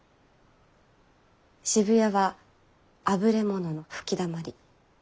渋谷はあぶれ者の吹きだまり。